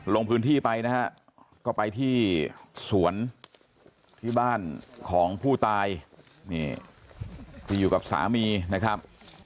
ลงพื้นที่ไปนะฮะก็ไปที่สวนที่บ้านของผู้ตายนี่ที่อยู่กับสามีนะครับ